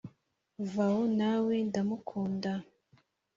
Vawu nawe ndamukunda